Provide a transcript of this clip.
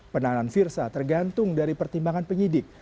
penahanan firza tergantung dari pertimbangan penyidik